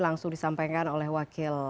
langsung disampaikan oleh wakil